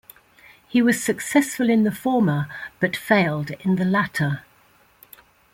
He was successful in the former but failed in the latter.